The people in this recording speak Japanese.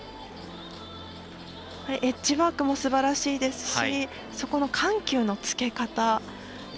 エッジワークもすばらしいですしそこの緩急のつけ方。